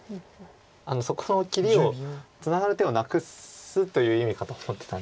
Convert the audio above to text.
そこの切りをツナがる手をなくすという意味かと思ってたんですけど。